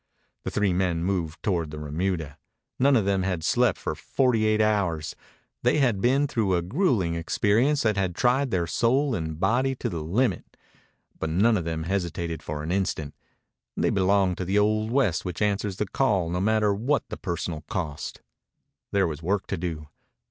The three men moved toward the remuda. None of them had slept for forty eight hours. They had been through a grueling experience that had tried soul and body to the limit. But none of them hesitated for an instant. They belonged to the old West which answers the call no matter what the personal cost. There was work to do.